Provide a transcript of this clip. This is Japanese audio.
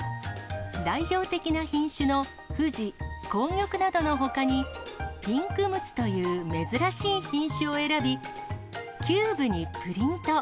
代表的な品種のふじ、紅玉などのほかに、ピンクむつという珍しい品種を選び、キューブにプリント。